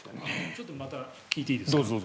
ちょっとまた聞いていいですか。